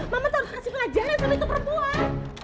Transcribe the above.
mama tuh harus kasih pengajaran sama itu perempuan